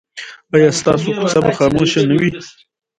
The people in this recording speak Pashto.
ایا ستاسو کوڅه به خاموشه نه وي؟